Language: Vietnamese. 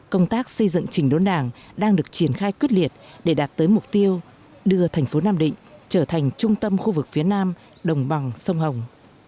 công tác xây dựng trình đốn đảng đang được triển khai quyết liệt để đạt tới mục tiêu đưa thành phố nam định trở thành trung tâm khu vực phía nam đồng bằng sông hồng